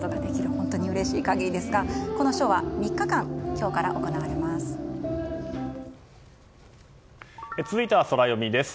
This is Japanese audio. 本当にうれしい限りですがこのショーは３日間続いては、ソラよみです。